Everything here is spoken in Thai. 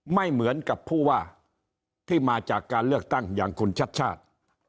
ไม่เหมือนกับผู้ว่าที่มาจากการเลือกตั้งอย่างคุณชัดชาติ